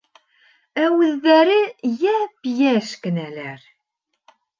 Ә үҙҙәре йәп-йәш кенәләр.